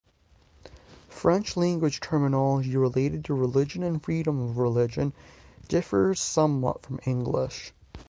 French language terminology related to religion and freedom of religion differs somewhat from English.